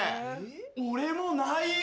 俺もないよ。